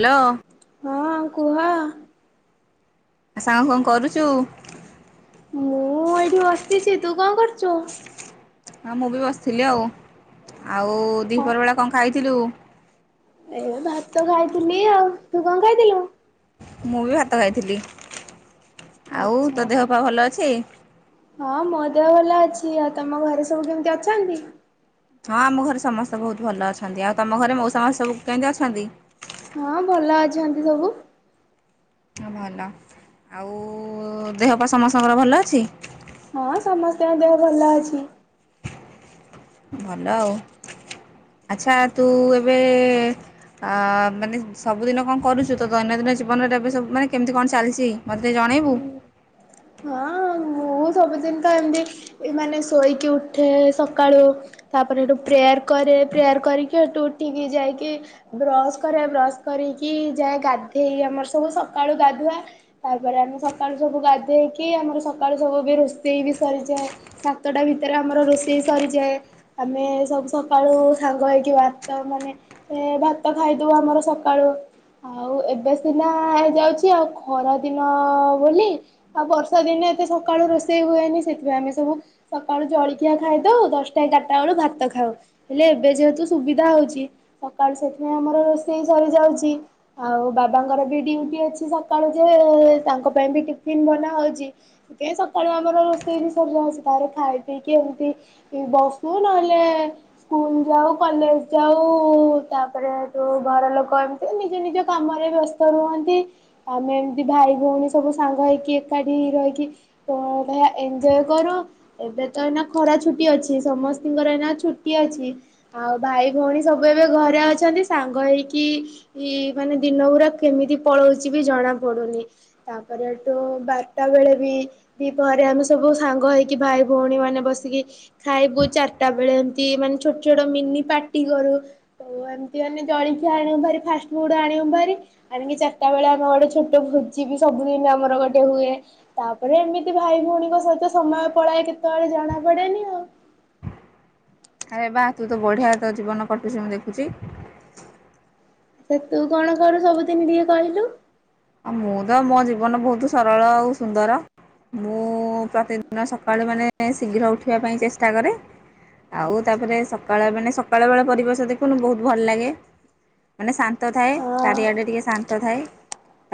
Hello ହଁ କୁହ। ଆ ସାଙ୍ଗ କଣ କରୁଛୁ ମୁଁ ଏଇଠି ବସିଛି ତୁ କଣ କରୁଛୁ- ହଁ ମୁଁ ବି ବସିଥିଲି ଆଉ ଆଉ ଦିପର ବେଳା କଣ ଖାଇ ଥିଲୁ? ଏ ଭାତ ଖାଇଥିଲି ଆଉ ତୁ କଣ ଖାଇଥିଲୁ ମୁଁ ବି ଭାତ ଖାଇଥିଲି ଆଉ ତୋ ଆଚ୍ଛା ଦେହ ପା ଭଲ ଅଛି ସେ ହଁ ମୋ ଦେହ ଭଲ ଅଛି ଆଉ ତମ ଘରେ ସବୁ କେମିତି ଅଛନ୍ତି? ହଁ ଆମ ଘରେ ସମସ୍ତେ ବହୁତ ଭଲ ଅଛନ୍ତି। ଆଉ ତମ ଘରେ ମଉସା ମାଉସୀ ସବୁ କେମତି ଅଛନ୍ତି? ହଁ ଭଲ ଅଛନ୍ତି ସବୁ। ହଁ ଭଲ ଆଉ ଦେହ ପାଇଁ ସମସ୍ତଙ୍କର ଭଲ ଅଛି? ହଁ ସମସ୍ତଙ୍କ ଦେହ ଭଲ ଅଛି। ଭଲ ଆଉ ଆଚ୍ଛା ତୁ ଏବେ ମାନେ ସବୁଦିନ କଣ କରୁଛୁ ତ ଦୈନନ୍ଦିନ ଜୀବନରେ ଏବେ ସବୁ ମାନେ କେମିତି କଣ ଚାଲିଛି ମତେ ଜଣେଇବୁ ହଁ ମୁଁ ସବୁଦିନ ତ ଏମିତି ମାନେ ଶୋଇକି ଉଠେ ସକାଳୁ ତାପରେ ସେଠୁ ପ୍ରେୟାର କରେ ପ୍ରେୟାର କରିକିଠୁ ଉଠିକି ଯାଇକି ବ୍ରସ୍ କରେ ବ୍ରସ୍ କରିକି ଯାଏ ଗାଧେଇ ଆମର ସବୁ ସକାଳୁ ଗାଧୁଆ ତାପରେ ଆମେ ସକାଳୁ ସବୁ ଗାଧେଇକି ଆମ ସକା ସବୁ ବି ରୋଷେଇ ବି ସରିଯାଏ। ସାତଟା ଭିତରେ ଆମର ରୋଷେଇ ସରିଯାଏ ଆମେ ସବୁ ସକାଳୁ ସାଙ୍ଗ ହେଇକି ଭାତ ମାନେ ଭାତ ଖାଇଦବୁ ଆମର ସକାଳୁ ଆଉ ଏବେ ସିନା ହେଇଯାଉଛି, ଆଉ ଖରାଦିନ ବୋଲି ଆଉ ବର୍ଷା ଦିନେ ଏତେ ସକାଳୁ ରୋଷେଇ ହୁଏନି ସେଥିପାଇଁ ଆମେ ସବୁ ସକାଳୁ ଜଳଖିଆ ଖାଇଦଉ ଦଶଟା ଏଗାରଟା ବେଳୁ ଭାତ ଖାଉ ହେଲେ ଏବେ ଯେହେତୁ ସୁବିଧା ହଉଛି ସକାଳୁ ସେଥିପାଇଁ ଆମର ରୋଷେଇ ସରିଯାଉଛି ଆଉ ବାବାଙ୍କର ବି ଡୁଟି ଅଛି ସକାଳୁ ଯେ ତାଙ୍କ ପାଇଁ ବି ଟିଫିନ ବନା ହଉଛି। ଟିକେ ସକାଳୁ ଆମର ରୋଷେଇ ବି ସରିଯାଉଛି। ତାରେ ଖାଇ ପିଇକି ଏମିତି ବସୁ ନହେଲେ ସ୍କୁଲ ଯାଉ କଲେଜ ଯାଉ ତାପରେ ଏଠୁ ଘର ଲୋକ ଏମିତି ନିଜ ନିଜ କାମରେ ବ୍ୟସ୍ତ ରୁହନ୍ତି। ଆମେ ଏମିତି ଭାଇ ଭଉଣୀ ସବୁ ସାଙ୍ଗ ହେଇକି ଏକାଠି ରହିକି ତ ଏହା ଏନ୍ଞ୍ଜୟ କରୁ ଏବେ ତ ଏଇନା ଖରା ଛୁଟି ଅଛି ସମସ୍ତତିଙ୍କର ଏଇନା ଛୁଟି ଅଛି ଆଉ ଭାଇ ଭଉଣୀ ସବୁ ଏବେ ଘରେ ଅଛନ୍ତି। ସାଙ୍ଗ ହେଇକି ମାନେ ଦିନ ଗୁରା କେମିତି ପଳାଉଛି ବି ଜଣା ପଡୁନି ତାପରେଠୁ ବାରଟା ବେଳେ ବି ଦିପହରେ ଆମେ ସବୁ ସାଙ୍ଗ ହେଇକି ଭାଇ ଭଉଣୀ ମାନେ ବସିକି ଖାଇବୁ ଚାରିଟା ବେଳେ ଏମିତି ମାନେ ଛୋଟ ଛୋଟ ମିନି ପାର୍ଟି କରୁ ତ ଏମିତି ମାନେ ଜଳଖିଆ ଆଣୁ ପାରି ଫାଷ୍ଟ ଫୁଡ ଆଣିବୁ ପାରି ଆଣିକି ଚାରିଟା ବେଳେ ଆମ ଗୋଟେ ଛୋଟ ଭୋଜି ବି ସବୁଦିନ ଆମର ଗୋଟେ ହୁଏ ତା ପରେ ଏମିତି ଭାଇ ଭଉଣୀଙ୍କ ସହିତ ସମୟ ପଳାଏ କେତେବେଳେ ଜଣା ପଡେନି ଆଉ। ଏ ବା ତୁ ତ ବଢିଆ ତୋ ଜୀବନ କଟୁଛି ମୁଁ ଦେଖୁଛି। ଆ ସେ ତୁ କଣ କରଲୁ ସବୁଦିନ ଟିକେ କହିଲୁ। ଆଉ ମୁଁ ତ ମୋ ଜୀବନ ବହୁତ ସରଳ ଆଉ ସୁନ୍ଦର ମୁଁ ପ୍ରତିଦିନ ସକାଳୁ ମାନେ ଶୀଘ୍ର ଉଠିବା ପାଇଁ ଚେଷ୍ଟା କରେ ଆଉ ତାପରେ ସକାଳ ମାନେ ସକାଳ ବେଳେ ପରିବେଶ ଦେଖୁନୁ ବହୁତ ଭଲ ଲାଗେ ମାନେ ଶାନ୍ତି। ଶାନ୍ତ ଥାଏ ହଁ ଚାରିଆଡ଼େ ଟିକେ ଶାନ୍ତ ଥାଏ।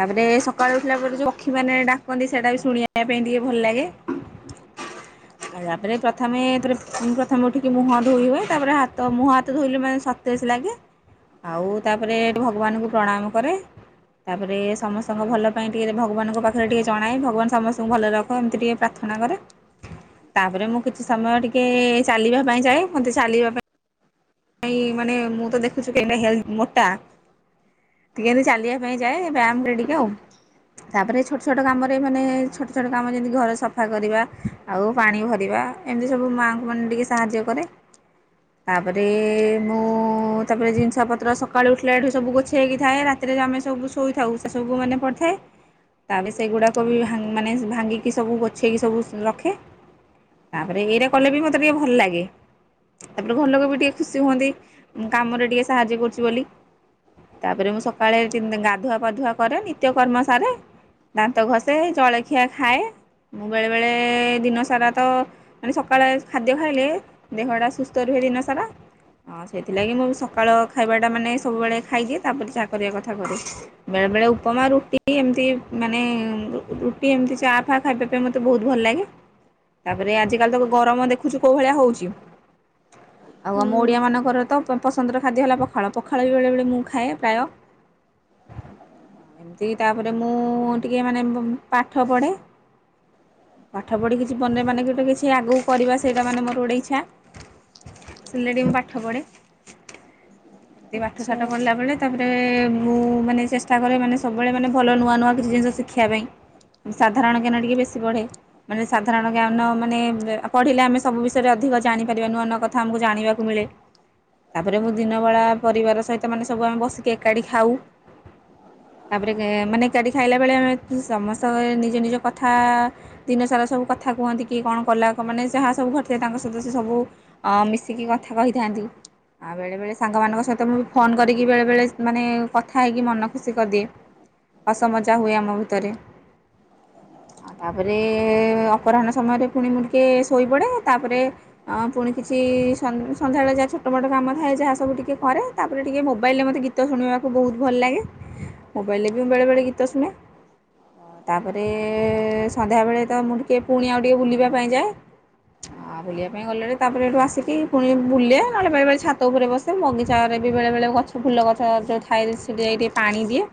ତାପରେ। ସକାଳୁ ଉଠିଲା ପରେ ଯେଉଁ ପକ୍ଷୀମାନେ ଡାକନ୍ତି ସେଇଟା ବି ଶୁଣିବା ପାଇଁ ଟିକେ ଭଲ ଲାଗେ ତାପରେ ପ୍ରଥମେ ପ୍ରଥମେ ଉଠିକି ମୁହଁ ଧୋଇ ହୁଏ ତାପରେ ହାତ ମୁହଁ ହାତ ଧୋଇଲେ ମାନେ ସତେଜ ଲାଗେ ଆଉ ତାପରେ ଭଗବାନଙ୍କୁ ପ୍ରଣାମ କରେ ତାପରେ ସମସ୍ତେ ସମସ୍ତଙ୍କ ଭଲ ପାଇଁ ଟିକେ ଭଗବାନଙ୍କ ପାଖରେ ଟିକିେ ଜଣାଏ ଭଗବାନ ସମସ୍ତଙ୍କୁ ଭଲ ରଖ ଏମିତି ଟିକିଏ ପ୍ରାର୍ଥନା କରେ ତାପରେ ମୁଁ କିଛି ସମୟ ଟିକେ ଚାଲିବା ପାଇଁ ଯାଏ ମୋତେ ଚାଲିବା ପାଇଁ। ନାଇଁ ମାନେ ମୁଁ ତ ଦେଖୁଛୁ କାହିଁ ହେଲ୍ ମୋଟା ଟିକେ ଏମିତି ଚାଲିବା ପାଇଁ ଯାଏ ବ୍ୟାୟାମରେ ଟିକେ ଆଉ ତାପରେ ଛୋଟ ଛୋଟ କାମରେ ମାନେ ଛୋଟ ଛୋଟ କାମ ଯେମିତି ଘରେ ସଫା କରିବା ଆଉ ପାଣି ଭରିବା ଏମିତି ସବୁ ମାଆଙ୍କୁ ମାନେ ଟିକେ ସାହାଯ୍ୟ କରେ ତାପରେ। ତାପରେ ମୁଁ ତାପରେ ଜିନିଷ ପତ୍ର ସକାଳୁ ଉଠିଲା ଏଠୁ ସବୁ ଗୋଛେଇକି ଥାଏ ରାତିରେ ଆମେ ସବୁ ଶୋଇଥାଉ ସେ ସବୁ ମାନେ ପଡ଼ିଥାଏ ତାପରେ ସେଇଗୁଡ଼ାକ ବି ମାନେ ଭାଙ୍ଗିକି ସବୁ ଗୋଛେଇକି ସବୁ ରଖେ ତାପରେ ଏଇରା କଲେ ବି ମୋତେ ଟିକେ ଭଲ ଲାଗେ ତାପରେ ଘର ଲୋକ ବି ଟିକେ। ଖୁସି ହୁଅନ୍ତି ମୁଁ କାମରେ ଟିକେ ସାହାଯ୍ୟ କରୁଛି ବୋଲି ତାପରେ ମୁଁ ସକାଳେ ଗାଧୁଆ ପାଧୁଆ କରେ ନିତ୍ୟକର୍ମ ସାରେ ଦାନ୍ତ ଘଷେ ଜଳଖିଆ ଖାଏ ମୁଁ ବେଳେବେେଳେ ଦିନ ସାରା ତ ମାନେ ସକାଳେ ଖାଦ୍ୟ ଖାଇଲେ ଦେହଟା ସୁସ୍ଥ ରୁହେ ଦିନ ସାରା। ସେଥିଲାଗି ମୁଁ ସକାଳ ଖାଇବାଟା ମାନେ ସବୁବେଳେ ଖାଇଦିଏ ତାପରେ ଯାହା କରିବା କଥା କରେ ବେଳେ ବେଳେ ଉପମା ରୁଟି ଏମିତି ମାନେ ରୁଟି ଏମିତି ଚା ଫା ଖାଇବା ପାଇଁ ମୋତେ ବହୁତ ଭଲ ଲାଗେ ତାପରେ ଆଜିକାଲି ତ ଗରମ ଦେଖୁଛୁ କୋଉ ଭଳିଆ ହଉଛି। ଆଉ ଆମ ହୁଁ ଓଡ଼ିଆ ମାନଙ୍କର ତ ପସନ୍ଦର ଖାଦ୍ୟ ହେଲା ପଖାଳ ପଖାଳ ବି ବେଳେବେଳେ ମୁଁ ଖାଏ ପ୍ରାୟ ଆଉ ଏମିତିକି ତାପରେ ମୁଁ ଟିକେ ମାନେ ପାଠ ପଢ଼େ ପାଠ ପଢ଼ିକି ଜୀବନରେ ମାନେ ଗୋଟେ କିଛି ଆଗକୁ କରିବା ସେଇଟା ମାନେ ମୋର ଗୋଟେ ଇଚ୍ଛା। ସେଥିଲାଗି ମୁଁ ପାଠ ପଢ଼େ। ଏମିତି ପାଠ ଆଚ୍ଛା ସାଠ ପଢିଲା ବେଳେ ତପରେ। ମାନେ ମୁଁ ମାନେ ଚେଷ୍ଟା କରେ ମାନେ ସବୁବେଳେ ମାନେ ଭଲ ନୂଆ ନୂଆ କିଛି ଜିନିଷ ଶିଖିବା ପାଇଁ ସାଧାରଣ ଜ୍ଞାନ ଟିକେ ବେଶୀ ପଢ଼େ ମାନେ ସାଧାରଣ ଜ୍ଞାନ ମାନେ ପଢିଲେ ଆମେ ସବୁ ବିଷୟରେ ଅଧିକ ଜାଣିପାରିବା ନୂଆ ନୂଆ କଥା ଆମକୁ। ଜାଣିବାକୁ ମିଳେ ତାପରେ ମୁଁ ଦିନବେଳା ପରିବାର ସହିତ ମାନେ ସବୁ ବସିକି ଏକାଠି ଖାଉ ତାପରେ ମାନେ ଏକାଠି ଖାଇଲାଳେେ ସମସ୍ତେ ନିଜ ନିଜ କଥା ଦିନ ସାରା ସବୁ କହନ୍ତି କି କଣ କଲା ଯାହା ସବୁ ତାଙ୍କ ସହିତ ଘଟି ଥାଏ ମିଶି ଟିକେ କଥା କହିଥାନ୍ତି ଆଉ ବେଳେବେଳେ ସାଙ୍ଗମାନଙ୍କ ସହିତ ମୁଁ ଫୋନ୍ କରିକି ବେଳେବେଳେ। ମାନେ କଥା ହେଇକି ମନ ଖୁସି କରିଦିଏ। ତ ମଜା ହୁଏ ଆମ ଭିତରେ ଆ ତାପରେ ଅପରାହ୍ନ ସମୟରେ ପୁଣି ମୁ ଟିକେ ଶୋଇପଡ଼େ ତାପରେ ପୁଣି କିଛି। ସନ୍ଧ୍ୟାବେଳେ ଯାହା ଛୋଟମୋଟ କାମ ଥାଏ ଯାହା ସବୁ ଟିକେ କରେ ତାପରେ ଟିକେ ମୋବାଇଲରେ ମୋତେ ଗୀତ ଶୁଣିବାକୁ ବହୁତ ଭଲ ଲାଗେ ମୋବାଇଲରେ ବି ମୁଁ ବେଳେବେଳେ ଗୀତ ଶୁଣେ ତାପରେ ସନ୍ଧ୍ୟାବେଳେ ତ ମୁଁ ଟିକିଏ ପୁଣି ଆଉ ଟିକିଏ ବୁଲିବା ପାଇଁ ଯାଏ ବୁଲିବା ପାଇଁ ଗଲେ ତାପରେ ଏଠୁ ଆସିକି। ପୁଣି ବୁଲେ ନହେଲେ ବେଳେବେଳେ ଛାତ ଉପରେ ବସେ ବଗିଚାରେ ବି ବେଳେବେଳେ ଗଛ ଫୁଲ ଗଛ ଯୋଉ ଥାଏ ସେଠି ଯାଇ ଟିକିଏ ପାଣି ଦିଏ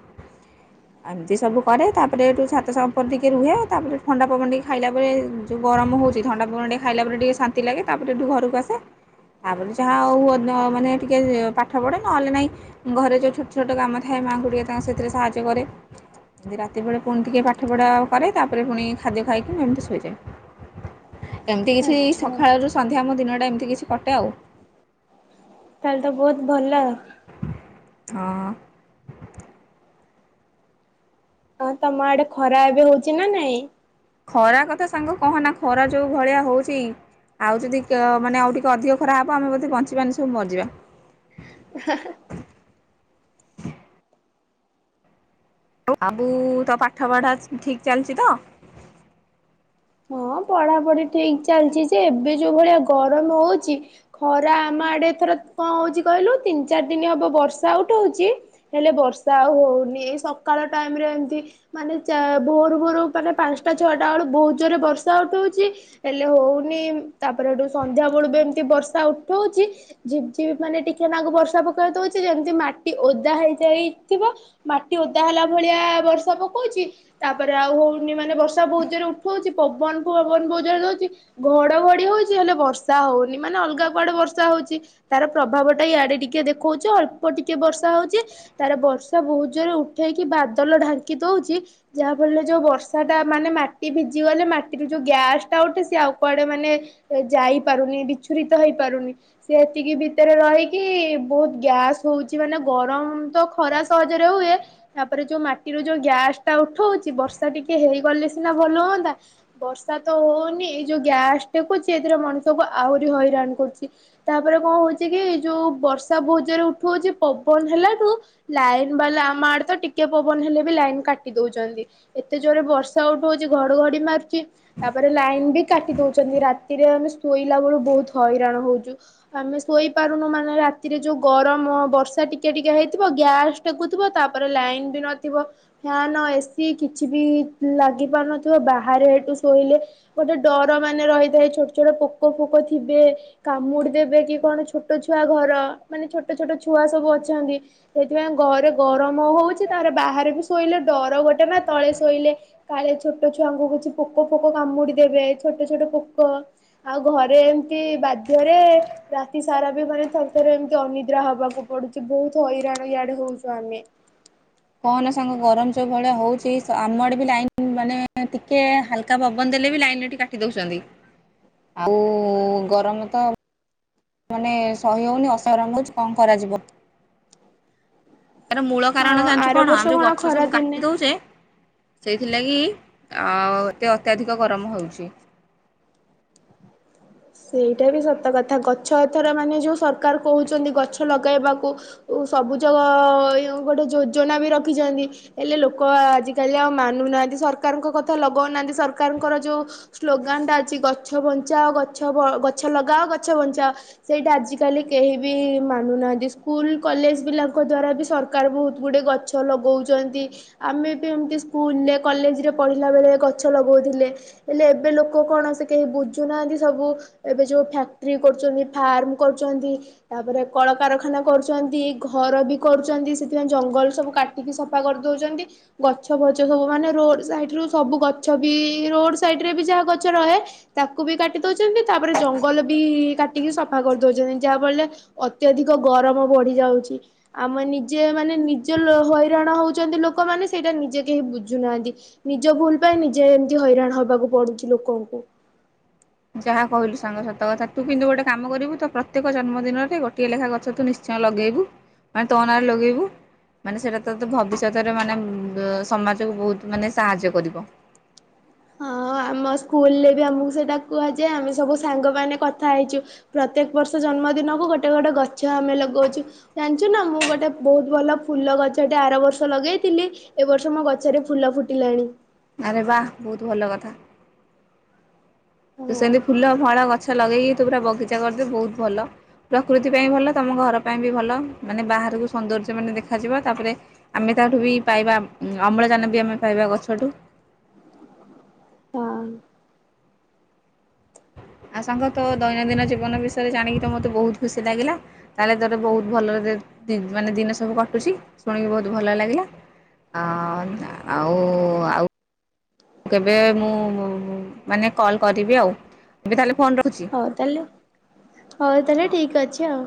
ଏମିତି ସବୁ କରେ ତାପରେ ଏଠୁ ଛାତଉପରେ ଟିକେ ରୁହେ ତାପରେ ଥଣ୍ଡା ପବନ ଟିକେ ଖାଇଲା ପରେ ଯୋଉ ଗରମ ହେଉଛି ଥଣ୍ଡା ପବନ ଟିକେ ଖାଇଲା ପରେ ଟିକେ ଶାନ୍ତି ଲାଗେ ତାପରେ ଏଠୁ ଘରକୁ ଆସେ। ତାପରେ ଯାହା ହୋଉ ମାନେ ଟିକେ ପାଠ ପଢ଼େ ନହେଲେ ନାହିଁ ଘରେ ଯୋଉ ଛୋଟ ଛୋଟ କାମ ଥାଏ ମାଆଙ୍କୁ ଟିକେ ତାଙ୍କ ସେଥିରେ ସାହାଯ୍ୟ କରେ ଏମିତି ରାତି ବଳେ ପୁଣି ଟିକେ ପାଠ ପଢ଼ା କରେ ତାପରେ ପୁଣି ଖାଦ୍ୟ ଖାଇକି ମୁଁ ଏମିତି ଶୋଇଯାଏ। ଏମିତି କିଛି ଆଚ୍ଛା। ସକାଳ ରୁ ସନ୍ଧ୍ୟା ଆମ ଦିନ। ଏମିତି କିଛି। କଟେ ଆଉ। ତାହେଲେ ତ ବହୁତ ଭଲ। ହଁ। ହଁ ତମ ଆଡେ ଖରା ଏବେ ହଉଛି ନା ନାଇଁ। ଖରା କଥା ସାଙ୍ଗ କହନା ଖରା ଯୋଉ ଭଳିଆ ହଉଛି ଆଉ ଯଦି ମାନେ ଆଉ ଟିକେ ଅଧିକ ଖରା ହବ ଆମେ ବୋଧେ ବଞ୍ଚିବାନି ସବୁ ମରିଯିବା। ଆଉ ଆବୁ ତ ପାଠ ପଢା ଠିକ ଚାଲିଛି ତ ହଁ ପଢାପଢି ଠିକ ଚାଲିଛି ଯେ ଏବେ ଯୋଉ ଭଳିଆ ଗରମ ହଉଛି ଖରା ଆମ ଆଡେ ଏଥର କଣ ହଉଛି କହିଲୁ ତିନି ଚାରି ଦିନ ହବ ବର୍ଷା ଉଠଉଛି ହେଲେ ବର୍ଷା ଆଉ ହଉନି ଏ ସକାଳ ଟାଇମ ରେ ଏମିତି ମାନେ ଭୋର ଭୋର ମାନେ ପାଞ୍ଚଟା ଛଅଟା ବେଳୁ ବହୁତ ଜୋରେ ବର୍ଷା। ବର୍ଷା ଉଠଉଛି ହେଲେ ହଉନି ତାପରେ ଏଠୁ ସନ୍ଧ୍ୟା ବେଳୁ ବି ଏମିତି ବର୍ଷା ଉଠଉଛି ଝିପ୍ ଝିିପ୍ ମାନେ ଟିକେ ନାକୁ ବର୍ଷା ପକେଇବା ଦଉଛି ଯେମତି ମାଟି ଓଦା ହେଇଯାଇଥିବ ମାଟି ଓଦା ହେଲା ଭଳିଆ ବର୍ଷା ପକଉଛି ତାପରେ ଆଉ ହଉନି ମାନେ ବର୍ଷା ବହୁତ ଜୋରେ ଉଠଉଛି ପବନ। ପବନ ବୋହୁତ ଯୋରେ ଦଉଛି ଘଡଘଡି ହଉଛି ହେଲେ ବର୍ଷା ହଉନି ମାନେ ଅଲଗା କୁଆଡେ ବର୍ଷା ହଉଛି ତାର ପ୍ରଭାବ ଟା ଇଆଡେ ଟିକେ ଦେଖଉଛି ଅଳ୍ପ ଟିକେ ବର୍ଷା ହଉଛି ତାର ବର୍ଷା ବହୁତ ଜୋରରେ ଉଠେଇକି ବାଦଲ ଢାଙ୍କି ଦଉଛି ଯାହାଫଳରେ ଯୋଉ ବର୍ଷା ଟା ମାନେ ମାଟି ଭିଜି ଗଲେ ମା ରୁ ଯୋଉ ଗ୍ୟାସ ଟା ଉଠେ ସି ଆଉ କୁଆଡେ ମାନେ ଯାଇପାରୁନି ବିଛୁରିତ ହେଇପାରୁନି ସେ ହେତିକି ଭିତରେ ରହିକି ବହୁତ ଗ୍ୟାସ ହଉଛି ମାନେ ଗରମ ତ ଖରା ସହଜରେ ହୁଏ ତାପରେ ଯୋଉ ମାଟିରୁ ଯୋଉ ଗ୍ୟାସ ଟା ଉଠଉଛି ବର୍ଷା ଟିକେ ହେଇଗଲେ ସିନା ଭଲ ହୁଅନ୍ତା। ବର୍ଷା ତ ହଉନି ଏଇ ଯୋଉ ଗ୍ୟାସ ଟେକୁଛି ଏଥିରେ ମଣିଷକୁୁ ଆହୁରି ହଇରାଣ କରୁଛି ତାପରେ କଣ ହଉଛି କି ଯୋଉ ବର୍ଷା ବହୁତ ଜୋରେ ଉଠୁଉଛି ପବନ ହେଲାଠୁ ଲାଇନ ବାଲା ଆମ ଆଡେ ତ ଟିକେ ପବନ ହେଲେ ବି ଲାଇନ କାଟି ଦଉଛନ୍ତି ଏତେ ଜୋରେ ବର୍ଷା ଉଠଉଛି ଘଡଘଡି ମାର। କି ତାପରେ ଲାଇନ୍ ବି କାଟି ଦଉଛନ୍ତି ରାତିରେ ଆମେ ଶୋଇଲା ବେଳୁ ବହୁତ ହଇରାଣ ହଉଛୁ ଆମେ ଶୋଇପାରୁନୁ ମାନେ ରାତିରେ ଯୋଉ ଗରମ ବର୍ଷା ଟିକେ ଟିକେ ହେଇଥିବ ଗ୍ୟାସ୍ ଟେକୁଥିବ ତାପରେ ଲାଇନ ବି ନଥିବ ଫ୍ୟାନ ଏସିି କିଛି ବି ଲାଗି ପାରୁନଥିବ ବାହାରେ। ଶୋଇଲେ ଗୋଟେ ଡର ମାନେ ରହିଥାଏ ଛୋଟ ଛୋଟ ପୋକ ଫୋକ ଥିବେ କାମୁଡି ଦେବେ କି କଣ ଛୋଟ ଛୁଆ ଘର ମାନେ ଛୋଟ ଛୋଟ ଛୁଆ ସବୁ ଅଛନ୍ତି ସେଥିପାଇଁ ଘରେ ଗରମ ହଉଛି ତାପରେ ବାହାରେ ବି ଶୋଇଲେ ଡର ଗୋଟେ ବା ତଳେ ଶୋଇଲେ କାଳେ ଛୋଟ ଛୁଆଙ୍କୁ କିଛି। ପୋକ ଫୋକ କାମୁଡିଦେବେ ଛୋଟ ଛୋଟ ପୋକ ଆଉ ଘରେ। ବାଧ୍ୟରେ ରାତି। ସାରା ବି ମାନେ ଥରେ ଥରେ ଏମିତି ଅନିଦ୍ରା ହବାକୁ ପଡୁଛି ବହୁତ ହଇରାଣ ଇଆଡେ ହଉଛୁ ଆମେ। କହନା ସାଙ୍ଗ ଗରମ ସବୁ ଭଳିଆ ହଉଛି ଆମ ଆଡେ ବି ଲାଇନ ମାନେ ଟିକେ ହାଲକା ପବନ ଦେଲେ ବି ଲାଇନ ଟ କାଟି ଦଉଛନ୍ତି ଆଉ ଗରମ ତ। ମାନେ ସହି ହେଉନି ଅସାଧାରଣ ହୋଉଛି କଣ କରାଯିବ। ୟାର ମୂଳ ହଁ କାରଣ ଜାଣିଛୁ ଆର କଣ ଆମେ ବର୍ଷ ଯୋଉ ଗଛ ଖରା ସବୁ ଦିନେ କାଟି ଦଉଛେ। ସେଇଥିଲାଗି ଅତି ଅତ୍ୟାଧିକ ଗରମ ହେଉଛି। ସେଇଟା ବି ସତ କଥା ଗଛ ଏଥର ମାନେ ଯୋଉ ସରକାର କହୁଛନ୍ତି ଗଛ ଲଗେଇବାକୁ ସବୁଜ ଗୋଟେ ଯୋଜନା ବି ରଖିଛନ୍ତି ହେଲେ ଲୋକ ଆଜିକାଲି ଆଉ ମାନୁନାହାନ୍ତି ସରକାରଙ୍କ କଥା ଲଗାଉନାହାନ୍ତି ସରକାରଙ୍କର ଯୋଉ ସ୍ଲୋଗାନ ଟା ଅଛି ଗଛ ବଞ୍ଚାଅ। ଗଛ ଲଗାଅ ଗଛ ବଞ୍ଚାଅ ସେଇଟା ଆଜିକାଲି କେହିବି ମାନୁ ନାହାନ୍ତି ସ୍କୁଲ କଲେଜ ପିଲାଙ୍କ ଦ୍ୱରା ବି ସରକାର ବହୁତ ଗଛ ଲଗାଉଛନ୍ତି ଅମେବି ସ୍କୁଲ ରେକଲେଜ ପଢିଲା ବେଳେ ଲଗାଉଥିଲେ ଲୋକ କଣ କେହି। ବୁୁହା। ସବୁ ଏବେ ଯୋଉ ଫ୍ୟାକ୍ଟ୍ରି କରୁଛନ୍ତି ଫାର୍ମ କରୁଛନ୍ତି ତାପରେ କଳକାରଖାନା କରୁଛନ୍ତି ଘର ବି କରୁଛନ୍ତି ସେଥିପାଇଁ ଜଙ୍ଗଲ ସବୁ କାଟିକି ସଫା କରିଦଉଛନ୍ତି ଗଛ ଫଛ ସବୁ ମାନେ ରୋଡ ସାଇଡ ରୁ ସବୁ ଗଛ ବି ରୋଡ ସାଇଡ ରେ ବି ଯାହା ଗଛ ରହେ ତାକୁ ବିା। କାଟି ଦଉଛନ୍ତି ତାପରେ ଜଙ୍ଗଲ ବି କାଟିକି ସଫା କରିଦଉଛନ୍ତି ଯାହାଫଳରେ ଅତ୍ୟଧିକ ଗରମ ବଢି ଯାଉଛି ଆମ ନିଜେ ମାନେ ନିଜ ହଇରାଣ ହଉଛନ୍ତି ଲୋକମାନୋନେ ସେଇଟା ନିଜେ କେହି ବୁଝୁନାହାନ୍ତି ନିଜ ଭୁଲ ପାଇଁ ନିଜେ ଏମତି ହଇରାଣ ହବାକୁ ପଡୁଛି ଲୋକଙ୍କୁ। ଯାହା କହିଲୁ ସାଙ୍ଗ ସତ କଥା ତୁ କିନ୍ତୁ ଗୋଟେ କାମ କରିବୁ ତ ପ୍ରତ୍ୟେକ ଜନ୍ମଦିନରେ ଗୋଟିଏ ଲେଖା ଗଛ ତୁ ନିଶ୍ଚୟ ଲଗେଇବୁ ମାନେ ତନରେ ଲଗେଇବୁ ମାନେ ସେଇଟା ତ ଭବିଷ୍ୟତରେ ମାନେ ସମାଜକୁ ବହୁତ ମାନେ ସାହାଯ୍ୟ କରିବ। ହଁ ଆମ ସ୍କୁଲରେ ବି ଆମକୁ ସେଇଟା କୁହାଯାଏ ଆମେ ସବୁ ସାଙ୍ଗ ମାନେ କଥା ହେଇଛୁ ପ୍ରତ୍ୟେକ ବର୍ଷ ଜନ୍ମଦିନକୁ ଗୋଟେ ଗୋଟେ ଗଛ ଆମେ ଲଗଉଛୁ ଜାଣିଛୁ ନା ମୁଁ ଗୋଟେ ବହୁତ ଭଲ ଫୁଲ ଗଛ ଟେ ଆର ବର୍ଷ ଲଗେଇଥିଲି ଏ ବର୍ଷ ମୋ ଗଛରେ ଫୁଲ ଫୁଟିଲାଣି। ଆରେ ବା ବହୁତ ଭଲ କଥା। ତ ହଁ। ସେମିତି ଫୁଲ ଫଳା ଗଛ। ଗଛ ଲଗେକି ତୁ ପୁରା ବଗିଚା କରିଦେ ପ୍ରକୃତି ପାଇଁ ବି ଭଲ ତମ ଘର ପାଇଁ ବି ଭଲ ମାନେ ବାହାରକୁ ସଂନ୍ଦୋଯ୍ୟ ମାନେ ଦେଖା ଯିବା ଆମେ ତାଠୁ ବି ପାଇବା ଅମ୍ଳଜାନ ପାଇବା ଗଛ ଠୁ ହଁ। ଆ ସାଙ୍ଗ ତ ଦୈନନ୍ଦିନ ଜୀବନ ବିଷୟରେ ଜାଣିକି ତ ମୋତେ ବହୁତ ଖୁସି ଲାଗିଲା ତାହେଲେ ତୋର ବହୁତ ଭଲରେ ମାନେ ଦିନ ସବୁ କଟୁଛି ଶୁଣିକି ବହୁତ ଭଲ ଲାଗିଲା ଆଉ ଆଉ। କେବେ ମୁଁ ମାନେ କଲ୍ କରିବି ଆଉ ଏବେ ତାହେଲେ। ଫୋନ୍ ରଖୁଛି ହଉ ତାହେଲେ ହଉ ତାହେଲେ ହଁ। ଠିକ ଅଛି ଆଉ।